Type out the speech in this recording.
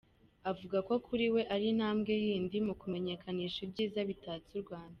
Avuga ko kuri we ari intambwe yindi mu kumenyekanisha ibyiza bitatse u Rwanda.